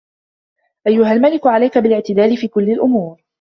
أَيُّهَا الْمَلِكُ عَلَيْك بِالِاعْتِدَالِ فِي كُلِّ الْأُمُورِ